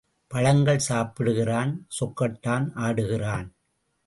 பழங்கள் சாப்பிடுகிறான் சொக்கட்டான் ஆடுகிறான்.